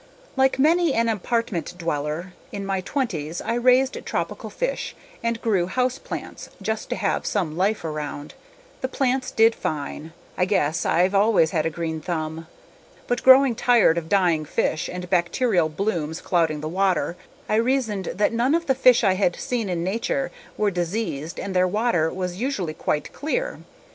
Like many an apartment dweller, in my twenties I raised tropical fish and grew house plants just to have some life around. The plants did fine; I guess I've always had a green thumb. But growing tired of dying fish and bacterial blooms clouding the water, I reasoned that none of the fish I had seen in nature were diseased and their water was usually quite clear.